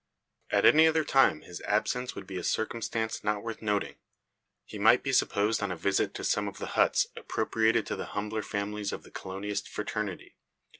At any other time his absence would be a circumstance not worth noting. He might be supposed on a visit to some of the huts appropriated to the humbler families of the colonist fraternity.